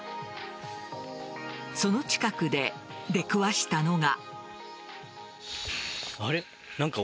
その近くで出くわしたのが。